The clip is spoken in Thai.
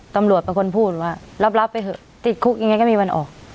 ตำรวจเป็นคนพูดว่ารับไปเถอะติดคุกยังไงก็มีวันออก